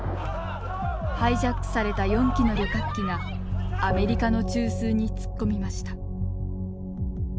ハイジャックされた４機の旅客機がアメリカの中枢に突っ込みました。